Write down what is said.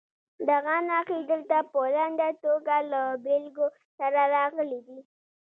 دغه نښې دلته په لنډه توګه له بېلګو سره راغلي دي.